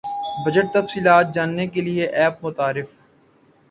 budget تفصیلات جاننے کیلئے ایپ متعارف